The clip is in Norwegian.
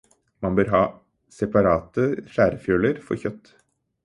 Man bør ha separate skjærefjøler for kjøtt.